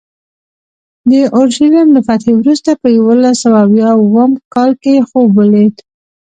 د اورشلیم له فتحې وروسته په یوولس سوه اویا اووم کال خوب ولید.